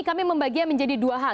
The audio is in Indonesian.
kami membaginya menjadi dua hal